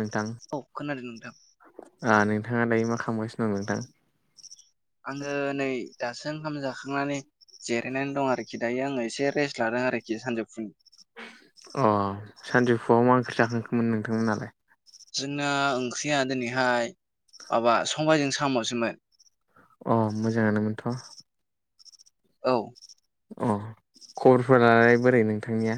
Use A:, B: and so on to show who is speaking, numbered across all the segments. A: नोंथां
B: औ खोनादों नोंथां
A: ओ नोंथाङा दायो मा खालामगासिनो दं नोंथां?
B: आङो नै दासो ओंखाम जाखांनानै जिरायनानै दं आरो। खि दायो आङो एसे रेस्ट लादों आरोखि सानजौफुनि।
A: अ सानजौफुआव मा ओंख्रि जाखांखोमोन नोंथांमोनालाय?
B: जोंना ओंख्रिया दिनैहाय माबा सबायजों साम'सोमोन।
A: अ
B: औ
A: मोजाङानोमोनथ'। अ खबरफोरालाय बोरै नोंथांनिया?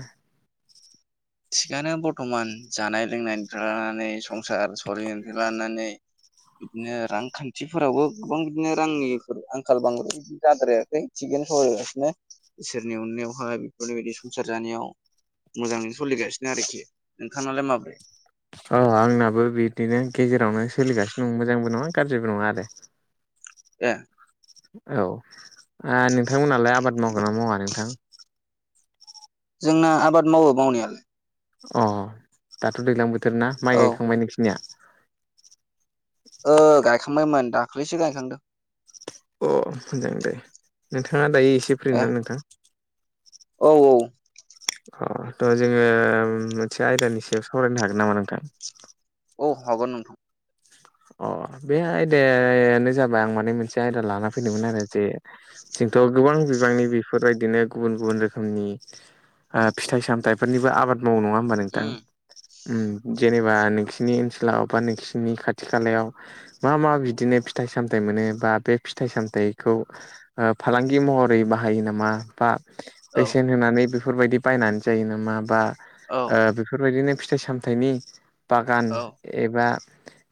B: थिगानो बर्थ'मान जानाय लोंनायनिफ्राय लानानै संसार सलिनायनिफ्राय लानानै। बिदिनो रांखान्थिफोरावबो गोबां बिदिनो रांनिफोर आंखाल बांद्राय बिदिनो जाद्रायाखै। थिगैनो सावरायगासिनो इसोरनि अननायावहाय बेफोरनिबायदि संसार जानायाव मोजां बिनो आरोखि नोंथांनालाय माब्रै?
A: अ आंनाबो बिदिनो गेजेरावनो सोलिगासिनो दं मोजांबो नङा गाज्रिबो नङा आरो।
B: ए
A: औ ओ नोंथांमोनालाय आबाद मावगोन ना मावा नोंथां?
B: जोंना आबाद मावो मावनायालाय।
A: अ दाथ' दैलां बोथोर ना माइ
B: औ
A: गायखांबाय नोंसिनिया?
B: ओ गायखांबायमोन दाख्लिसो गायखांदों।
A: अ मोजां दे नोंथाङा दायो एसे
B: ए
A: फ्रिना नोंथां?
B: औ औ
A: अ थ' जोङो मोनसे आयदानि सायाव सावरायनो हागोन नामा नोंथां?
B: औ हागोन नोंथां।
A: अ बे आयदायानो जाबाय आं माने मोनसे आयदा लाना फैदोंमोन आरो जे जोंथ' गोबां बिबांनि बेफोरबायदिनो गुबुन गुबुन रोखोमनि फिथाइ सामथाइफोरनिबो आबाद मावो नङा होमबा नोंथां?
B: उम
A: उम जेनेबा नोंसिनि ओनसोलाव बा नोंसिनि खाथि खालायाव मा मा बिदिनो फिथाइ सामथाइ मोनो बा बे फिथाइ सामथायाइखौ फालांगि महरै बाहायो नामा बा
B: औ
A: बेसेन होनानै बेफोरबायदि बायनानै जायो नामा बा
B: औ
A: बेफोरबायदिनो फिथाइ सामथ थाइनि बागान
B: औ
A: एबा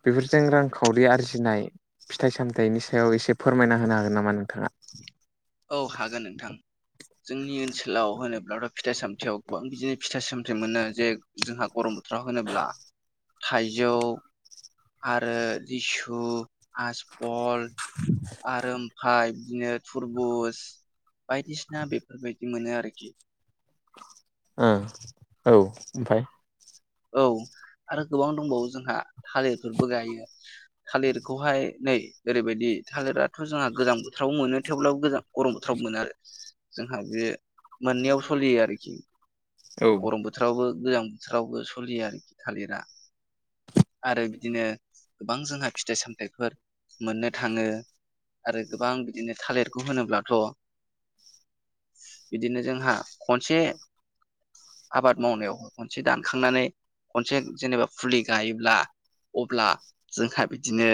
A: बेफोरजों रांखावरि आरजिनाय फिथाइ सामथाइनि सायाव एसे फोरमायना होनो हागोन नामा नोंथाङा?
B: औ हागोन नोंथां जोंनि ओनसोलाव होनोब्लाथ' फिथाइ सामथाइयाव गोबां बिदिनो फिथाइ सामथाइ मोनो जे जोंहा गरम बोथोराव होनोब्ला थाइजौ आरो लिसु हासपल आरो ओमफाय बिदिनो थुरबुज बायदिसिना बेफोरबायदि मोनो आरोखि।
A: ओ औ ओमफाय
B: औ आरो गोबां दंबावो जोंहा। थालिरफोरबो गायो थालिरखौहाय नै ओरैबायदि थालिरा थ' जोंहा गोजां बोथोराव मोनो थेवब्लाबो गोजां गरम बोथोराव मोनो आरो जोंहा बे मोननैयाव सोलियो आरोखि।
A: औ
B: गरम बोथोरावबो गोजां बोथोरावबो सलियो आरोखि थालिरा। आरो बिदिनो गोबां जोंहा फिथाइ सामथाइफोर मोननो थाङो आरो गोबां बिदिनो थालिरखौ होनोब्लाथ' बिदिनो जोंहा खनसे आबाद मावनायाव खनसे दानखांनानै खनसे जेनेबा फुलि गायोब्ला अब्ला जोंहा बिदिनो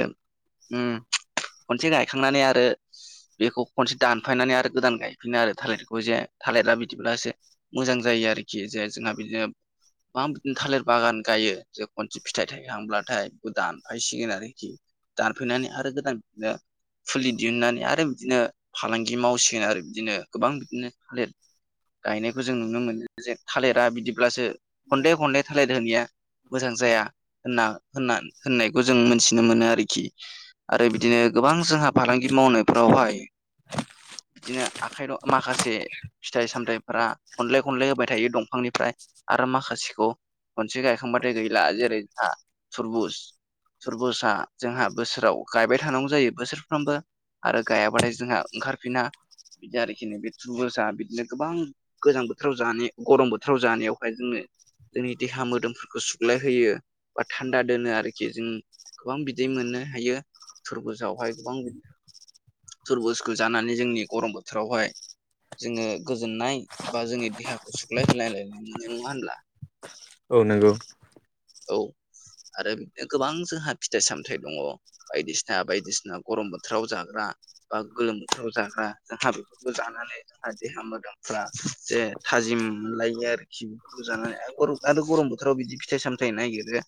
B: उम खनसे गायखांनानै आरो
A: [inaudible]
B: बेखौ खनसे दानफायनानै आरो गोदान गायफिनो आरो थालिरखौ जे थालिरा बिदिब्ला एसे मोजां जायो आरोखि जे जोंहा बिदिनो माम थालिर बागान गायो जों खनसे फिथाइ थायखांब्लाथाय बेखौ दानफायसिगोन आरोखि। दानफायनानै आरो गोदान बिदिनो फुलि दिहुननानै आरो बिदिनो फालांगि मावसिगोन आरो बिदिनो गोबां बिदिनो थालिर गायनायखौ जों नुनो मोनो जे थालिरा बिदिब्लासो खनले खनले थालिर होनाया मोजां जाया होनना-होनना होननायखौ जों मोनथिनो मोनो आरोखि। आरो बिदिनो गोबां जोंहा फालांगि मावनायफ्रावहाय बिदिनो आखाइ माखासे फिथाइ सामथायाइफोरा खनले खनलाय होबाय थायो दंफांनिफ्राय आरो माखासेखौ खनसे गायखांबाथाय गैला जेरै था थुरबुज थुरबुजआ जोंहा बोसोराव गायबाय थानांगौ जायो बोसोरफ्रामबो। आरो गायाबाथाय जोंहा ओंखारफिना बिदि आरोखि बेखौबो बिदिनो गोबां गोजां बोथोराव जानाय गरम बोथोराव जानायावहाय जोंनो जोंनि देहा मोदोमफोरखौ सुग्लायहोयो बा थान्दा दोनो आरोखि जों गोबां बिदै मोननो हायो। तुरबुजआवहाय गोबां तुरबुजखौ जानानै जोंनि गरम बोथोरावहाय जोङो गोजोननाय बा जोंनि देहाखौ सुग्लायहोलायलाय मोननाय नङा होनब्ला?
A: औ नंगौ
B: औ आरो गोबां जोंहा फिथाइ सामथाइ दंबावो। बायदिसिना बायदिसिना गरम बोथोराव जाग्रा बा गोलोम बोथोराव जाग्रा जोंहा बेफोरखौ जानानै देहा मोदोमफ्रा जे थाजिम मोनलायो आरोखि जानानै आरो गरम बोथोराव बिदि फिथाइ सामथाय नायागिरो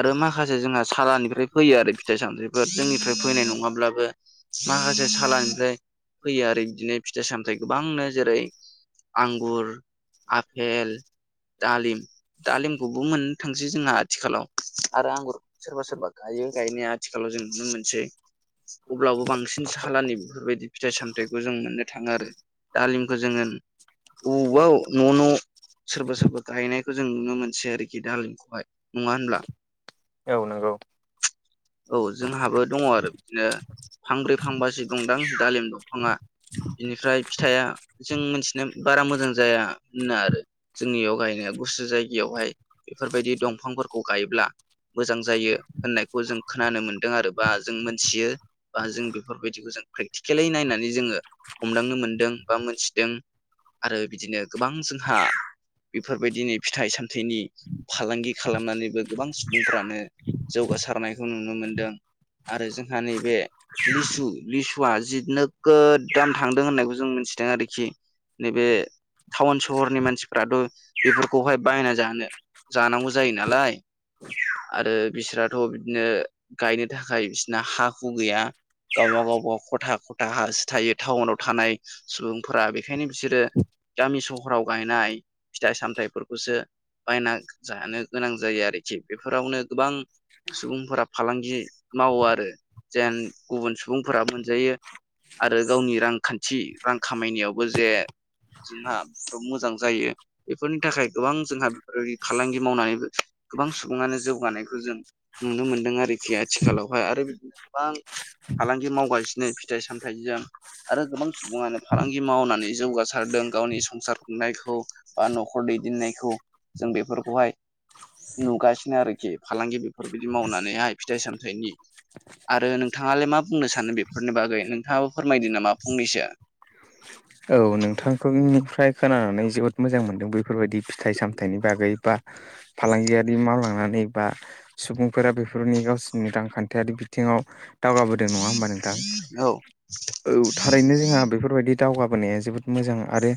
B: आरो माखासे जोंहा सालानिफ्राय फैयो आरो फिथाइ सामथाइफोर जोंनिफ्राय फैनाय नङाब्लाबो। माखासे सालनिफ्राय फैयो आरो बिदिनो फिथाइ सामथायाइ गोबांनो जेरै आंगुर, आफपेल, दालिम, दालिमखौबो मोन नो थांसै जोंहा आथिखालाव आरो आंगुर सोरबा सोरबा गायो गायनाया आथिखालाव जों नुनो मोनसै। अब्लाबो बांसिन सालानि बेफोरबायदि फिथाइ सामथायाइखौ जों मोननो थाङो आरो। दालिमखौ जोङो अबावबा न' न' सोरबा सोरबा गायनायखौ जों नुनो मोनसै आरोखि दालिम खौहाय। नङा होनब्ला?
A: औ नंगौ
B: औ जोंहाबो दङ आरो बिदिनो फांब्रै फांबा सि दंदां दालिम दंफाङा। बिनिफ्राय फिथाइया जों मिथिनाय बारा मोजां जाया होनना आरो जोंनियाव गायनाया गुसु जायगायावहाय बेफोरबायदि दंफांफोरखौ गायोब्ला मोजां जायो होननायखौ जों खोनानो मोनदों आरो बा जों मोनथियो। बा जों बेफोरबायदिखौ जों प्रेकटिकेेललि नायनानै जोङो हमदांनो मोनदों बा मोनथिदों। आरो बिदिनो गोबां जोंहा बेफोरबायदिनो फिथाइ सामथाइनि फालांगि खालामनानैबो गोबां सुबुंफ्रानो जौगासारनायखौ नुनो मोनदों। आरो जोंहा नैबे लिसु लिसुआ जि नोगोद दाम थांदों होननायखौ जों मिथिदों आरोखि। नैबे टाउन सहरनि मानसिफ्राथ' बेफोरखौहाय बायना जानो जानांगौ जायो नालाय आरो बिसोरथ' बिदिनो गायनो थाखाय बिसोरना हा हु गैया। गावबा गावबाव खथा खथा हासो थायो टाउनाव थानाय सुबुंफोरा। बेखायनो बिसोरो गामि सहराव गायनाय फिथाइ सामथाइफोरखौसो बायना जानो गोनां जायो आरोखि, बेफोरावनो गोबां सुबुंफोरा फालांगि मावो आरो जेन गुबुन सुबुंफोरा मोनजायो आरो गावनि रांखान्थि रां खामायनायावबो जे जोंहा मोजां जायो। बेफोरनि थाखाय गोबां जोंहा ओ फालांगि मावनानैबो गोबां सुबुङानो जौगानायखौ जों नुनो मोन्दों आरोखि आथिखालावहाय आरो बि गोबां फालांगि मावगासिनो फिथाइ सामथाइजों। आरो गोबां सुबुङानो फालांगि मावनानै जौगासारदों गावनि संसार खुंनायखौ बा न'खर दैदेननायखौ जों बेफोरखौहाय नुगासिनो आरोखि फालांगि बेफोरबायदि मावनानैहाय फिथाइ सामथाइनि आरो नोंथाङालाय मा बुंनो सानो बेफोरनि बागै नोंथाङाबो फोरमायदो नामा फंनैसो।
A: औ नोंथांखौनिफ्राय खोनानानै जोबोद मोजां मोनदों बेैफोरबायादि फिथाइ सामथाइनि बागै बा फालांगियारि मावलांनानै बा सुबुंफोरा बेफोरनि गावसिनि रांखान्थियारि बिथिङाव दावगाबोदों नङा होमबा नोंथां?
B: औ
A: औ थारैनो जोंहा बेफोरबायदि दावगाबोनाया जोबोद मोजां आरो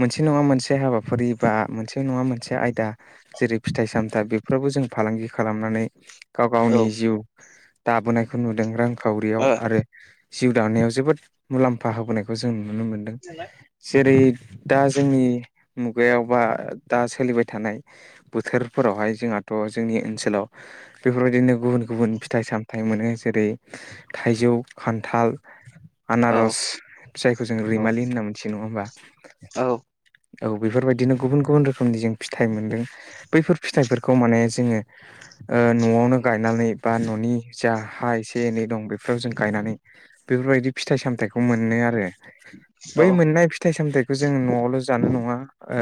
A: मोनसे नङा मोनसे हाबाफारि बा मोनसे नङा मोनसे आयदा जेरै फिथाइ सामथाइ बेफोरावबो जों फालांगि खालामनानै गाव
B: औ
A: गावनि जिउ दाबोनायखौ नुदों रांखावरियाव
B: ओ
A: आरो जिउ दानायाव जोबोद मुलाम्फा होबोनायखौ जों नुनो मोनदों। जेरै दा जोंनि मुगायाव बा दा सोलिबाय थानाय बोथोरफोरावहाय जोंहाथ' जोंनि ओनसोलाव बेफोरबायदिनो गुबुन गुबुन फिथाइ सामथाइ मोनो जेरै थाइजौ, खान्थाल
B: औ
A: आनारस जायखौ जों
B: औ
A: रैमालि होनना मोनथियो नङा होमबा?
B: औ
A: औ बेफोरबायदिनो गुबुन गुबुन रोखोमनि जों फिथाइ मोनदों, बैफोर फिथाइफोरखौ माने जोङो न'आवनो गायनानै बा न'नि जा हा एसे एनै दं बे फोराव जोम गायनानै बेफोरबायदि फिथाइ सामथाइखौ मोनो आरो।
B: औ
A: बै मोन नाय फिथाइ सामथायखौ जोङो न'आवल' जानो नङा, ओ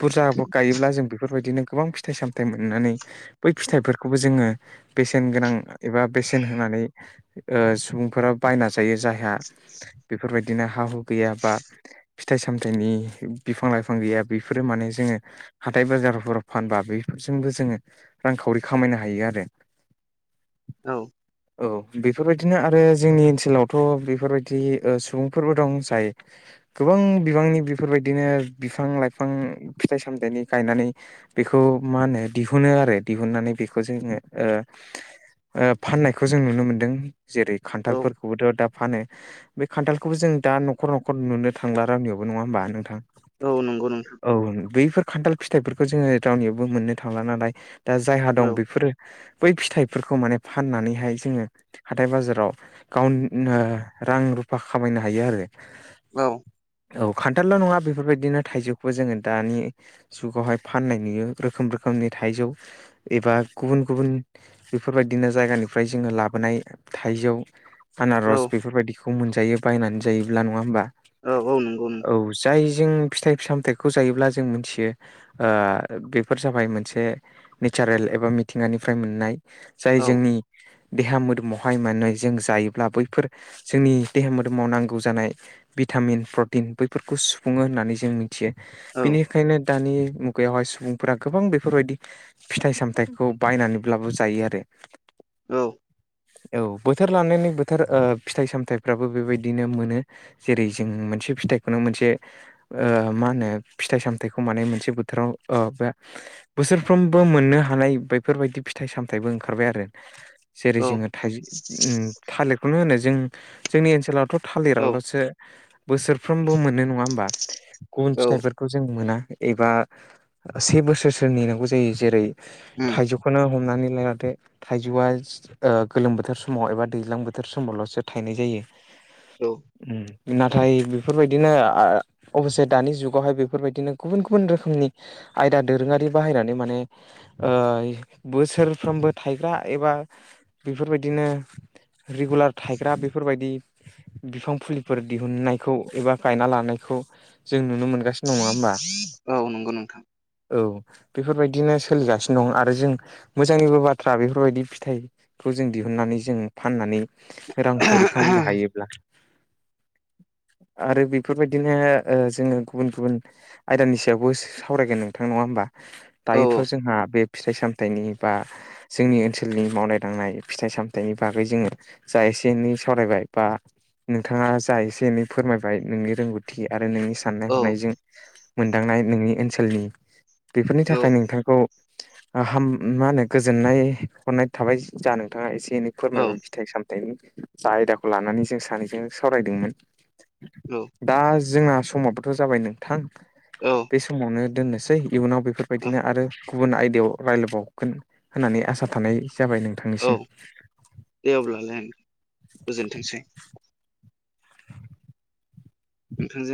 A: बुरजा गायोब्ला जों बेफोरबायदिनो गोबां फिथाइ सामथायाइ मोननानै बै फिथाइफोरखौबो जोङो बेसेन गोनां एबा बेसेन होनानै सुबुंफोरा बायना जायो जायहा बेफोरबायदिनो हा हु गैया बा फिथाइ सामथाइनि बिफां लाइफां गैया बेफोरो माने जोङो हाथाय बाजारफोराव फानबा बेफोरजोंबो जोङो रांखावरि खामायनो हायो आरो।
B: औ।
A: औ बेफोरबायदिनो आरो जोंनि ओनसोलावथ' बेफोरबायदि ओ सुबुं फोरबो दं जाय गोबां बिबांनि बेफोरबायदिनो बिफां लाइफां फिथाइ सामथाइनि गायनानै बेखौ मा होनो दिहुनो आरो। दिहुननानै बेखौ जोङो फाननायखौ जों नुनो मोनदों जेरै
B: औ
A: खान्थालफोरखौबोथ' दा फानो बे खान्थाल बेखौबो जों दा न'खर न'खर नुनो थांला रावनियावबो नङा होमबा नोंथां
B: औ नंगौ नोंथां
A: औ बैफोर खान्थाल फिथाइफोरखौ जोङो रावनियावबो मोननो थांला नालाय दा जायहा
B: औ
A: दं बेफोरो बै फिथाइफोरखौ माने फाननानैहाय जोङो हाथाय बाजाराव गाव ओ रां रुफा खामायनो हायो आरो
B: औ
A: औ खान्थालल' नङा बेफोरबायदिनो थाइजौखौबो जोङो दानि जुगावहाय फाननाय नुयो रोखोम रोखोमनि थाइजौ एबा गुबुन गुबुन बेफोरबायदिनो जायगानिफ्राय जोङो लाबोनाय थाइजौ
B: औ
A: आनारस बेफोरबायदिखौ मोनजायो बायनानै जायोब्ला नङा होमबा
B: औ औ नंगौ नोंथां
A: औ जाय जों फिथाइ सामथाइखौ जायोब्ला जों मिथियो बेफोर जाबाय मोनसे नेचारेल एबा मिथिंगानिफ्राय मोननाय जाय
B: औ
A: जोंनि देहा मोदोमावहाय माने जों जायोब्ला बैफोर जोंनि देहा मोदोम समाव नांगौ जानाय भिटामिन प्रटिन बैफोरखौ सुफुङो होननानै जों मिथियो
B: औ
A: बेनि ओंखायनो दानि मुगायावहाय सुबुंफोरा गोबां बेफोरबायदि फिथाइ सामथायाइखौ बायनानैब्लाबो जायो आरो
B: औ
A: औ बोथोर लानायानानै बोथोर फिथाइ सामथायाइफ्राबो बेबायदि बिदिनो मोनो जेरै जों मोनसे फिथाइखौनो मोनसे मा होनो फिथाइ सामथायाइखौ माने मोनसे बोथोराव बे बोसोरफ्रोमबो मोननो हानाय बेफोरबायदि फिथाइ सामथायाइबो ओंखारबाय आरो जेरै जोङो
B: औ
A: थाइज थालिरखौनो होनो जों जोंनि ओनसोलावथ'
B: औ
A: थालिराल'सो बोसोरफ्रोमबो मोनो नङा होमबा गुबुन
B: औ
A: फिथाफोर जों मोना एबा से बोसोरसो नेनांगौ जायो जेरै
B: उम
A: थाइजौ खौनो हमनानै लायला दे थाइजौआ गोलोम बोथोर समाव एबा दैज्लां बोथोर समावल'सो थायनाय जायो
B: औ
A: नाथाय बेफोरबायदिनो अबसे दानि जुगावहाय बेफोरबायदिनो गुबुन गुबुन रोखोमनि आयदा दोरोङारि बाहायनानै माने बोसोरफ्रोमबो थायग्रा एबा बेफोरबायदिनो रेगुलार थायग्रा बेफोरबायदि बिफां फुलिफोर दिहुननायखौ एबा गायना लानायखौ जों नुनो मोनगासिनो नङा होमबा
B: औ नंगौ नोंथां
A: औ बेफोरबायदिनो सोलिगासिनो दं आरो जों मोजांनिबो बाथ्रा बेफोरबायदि फिथाइ खौ जों दिहुनन्नानै जों फाननानै रांखावरि खालामनो हायोब्ला आरो बेफोरबायदिनो ओ जोङो गुबुन गुबुन आयदानि सायावबो सावरायगोन नोंथां नङा होमबा
B: औ
A: दायोथ' जोंहा बे फिथाइ सामथायाइनि बा जोंनि ओनसोलनि मावनाय दांनाय फिथाइ सामथाइनि बागै जोङो जा एसे एनै सावरायबाय बा नोंथाङा जा एसे एनै फोरमायबाय नोंनि रोंगौथि आरो नोंनि साननाय
B: औ
A: हनायजों मोनदांनाय नोंनि ओनसोलनि बेफोरनि
B: औ
A: थाखाय नोंथांखौ हाम मा होनो गोजोननाय हरनाय थाबाय जा नोंथाङा एसे एनै फोरमाय फिथाइ सामथायाइनि आयदाखौ लानानै जों सानैजों सावरायदोंमोन
B: औ
A: दा जोंना समाबोथ' जाबाय नोंथां
B: औ
A: बे समावनो दोननोसै इयुनाव बेफोरबायदिनो आरो गुबुन आयदायाव रायज्लायबावगोन होननानै आसा थानाय जाबाय
B: औ
A: नोंथांनिसिम
B: दे अब्लालाय गोजोनथोंसै नोंथांजों